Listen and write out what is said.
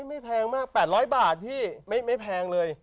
ไม่แพงมาก๘๐๐บาทพี่ไม่แพงเลย